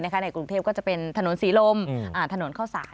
ในกรุงเทพก็จะเป็นถนนศรีลมถนนเข้าสาร